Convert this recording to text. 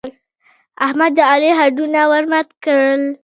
احمد د علي هډونه ور مات کړل.